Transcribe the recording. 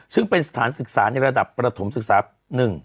ซึ่งเป็นสถานศึกษาในระดับประถมศึกษา๑